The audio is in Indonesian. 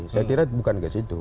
saya kira bukan ke situ